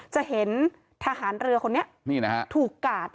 จะเห็นทหารเรือคนนี้ถูกกาด